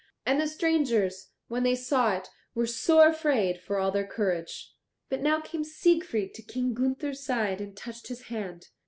And the strangers, when they saw it, were sore afraid for all their courage. But now came Siegfried to King Gunther's side and touched his hand.